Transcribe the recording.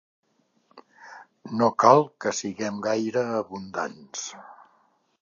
No cal que siguem gaire abundants.